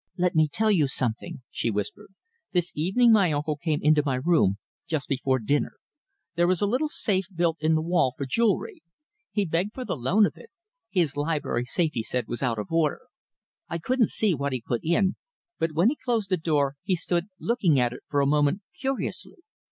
"Let me tell you something," she whispered. "This evening my uncle came into my room just before dinner. There is a little safe built in the wall for jewellery. He begged for the loan of it. His library safe, he said, was out of order. I couldn't see what he put in, but when he had closed the door he stood looking at it for a moment curiously.